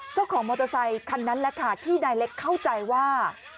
มอเตอร์ไซคันนั้นแหละค่ะที่นายเล็กเข้าใจว่า